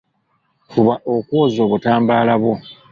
Fuba okwoza obutambaala bwo.